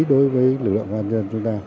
đối với lực lượng hoàn nhân chúng ta